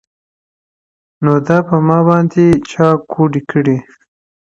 o نو دا په ما باندي چا كوډي كړي؛